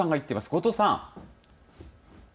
後藤さん。